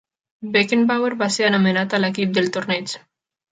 Beckenbauer va ser anomenat a l'equip del torneig.